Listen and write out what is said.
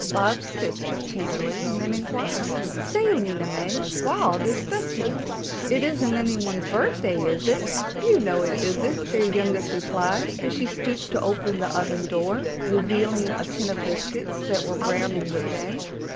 Bobs kissed her tenderly and then inquired: "Say, Lena May, why all this festiveness? It isn't anyone's birthday, is it?" "You know it isn't," their youngest replied as she stopped to open the oven door, revealing a tin of biscuits that were browning within.